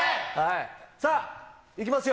さあ、いきますよ。